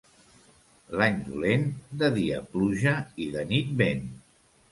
L'any dolent, de dia pluja i de nit vent.